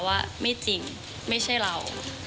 ว่าไม่จริงไม่ใช่เรา